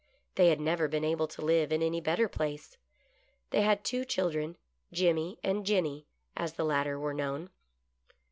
They had never been able to live in any better place. They had two children, " Jimmy and Jenny," as the latter were known.